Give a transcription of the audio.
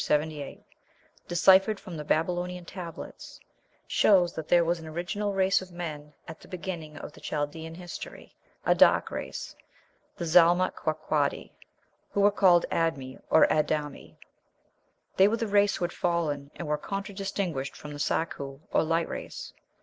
78), deciphered from the Babylonian tablets, shows that there was an original race of men at the beginning of Chaldean history, a dark race, the Zalmat qaqadi, who were called Ad mi, or Ad ami; they were the race "who had fallen," and were contradistinguished from "the Sarku, or light race."